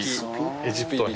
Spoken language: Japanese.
「エジプト編」。